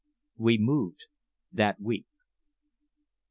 We moved that week.